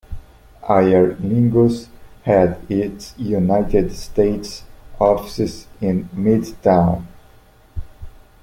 Aer Lingus had its United States offices in Midtown.